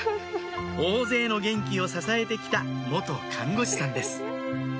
大勢の元気を支えてきた看護師さんです